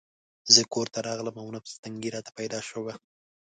زه کورته راغلم او نفس تنګي راته پېښه شوه.